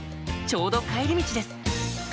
ちょうど帰り道です